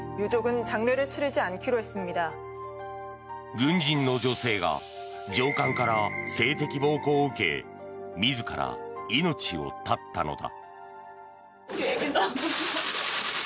軍人の女性が上官から性的暴行を受け自ら命を絶ったのだ。